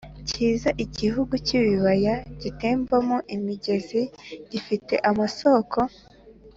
cyiza r igihugu cy ibibaya bitembamo imigezi gifite amasoko